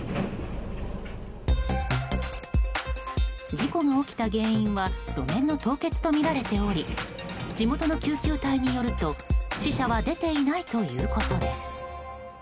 事故が起きた原因は路面の凍結とみられており地元の救急隊によると、死者は出ていないということです。